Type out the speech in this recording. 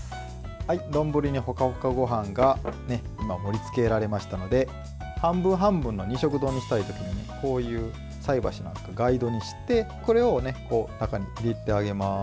丼にホカホカごはんが今、盛りつけられましたので半分半分の二色丼にしたい時にこういう菜箸なんかガイドにしてこれを中に入れてあげます。